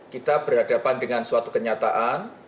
kita berhadapan dengan suatu kenyataan